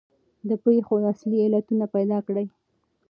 د پېښو اصلي علتونه پیدا کړئ.